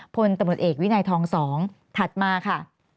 พตเวินัยทอง๒ถัดมาค่ะ